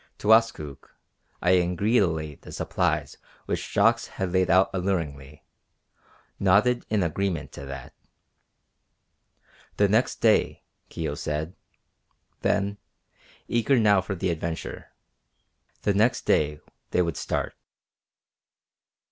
Towaskook, eyeing greedily the supplies which Jacques had laid out alluringly, nodded an agreement to that. "The next day," Kio said, then, eager now for the adventure. "The next day they would start."